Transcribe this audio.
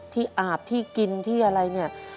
ที่อาบที่กินที่อะไร